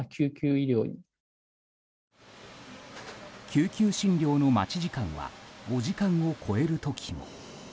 救急診療の待ち時間が５時間を超える時も。